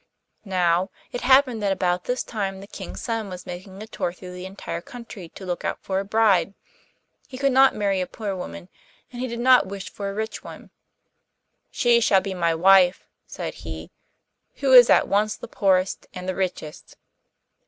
Now, it happened that about this time the King's son was making a tour through the entire country to look out for a bride. He could not marry a poor woman, and he did not wish for a rich one. 'She shall be my wife,' said he, 'who is at once the poorest and the richest.